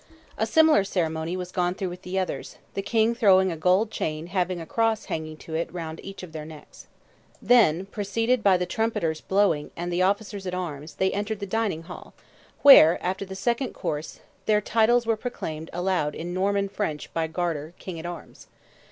A similar ceremony was gone through with the others, the King throwing a gold chain having a cross hanging to it round each of their necks. Then, preceded by the trumpeters blowing, and the officers at arms, they entered the dining hall, where, after the second course, their titles were proclaimed aloud in Norman French by Garter, King at Arms.